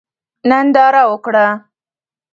ننداره وکړه.